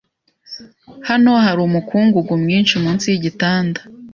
Hano hari umukungugu mwinshi munsi yigitanda.